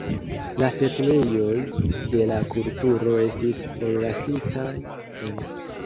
La setlejoj de la kulturo estis forlasitaj en.